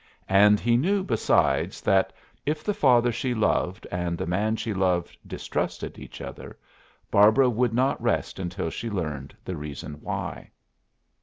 And he knew besides that, if the father she loved and the man she loved distrusted each other, Barbara would not rest until she learned the reason why.